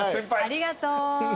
ありがとう。